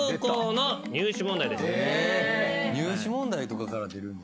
入試問題とかから出るんだ。